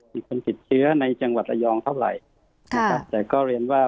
มีคนติดเชื้อในจังหวัดระยองเท่าไหร่นะครับแต่ก็เรียนว่า